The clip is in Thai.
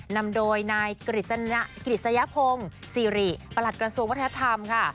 นำโดยนายกริสยภงซีรีส์ประหลักกระทรวงวัฒนธรรมค่ะ